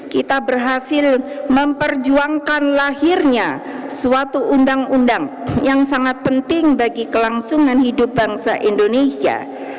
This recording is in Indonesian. kita berhasil memperjuangkan lahirnya suatu undang undang yang sangat penting bagi kelangsungan hidup bangsa indonesia